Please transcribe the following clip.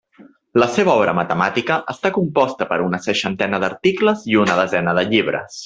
La seva obra matemàtica està composta per una seixantena d'articles i una desena de llibres.